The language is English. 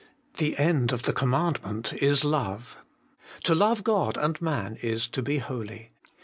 'The end of the commandment Is love.' To love God and man is to be holy.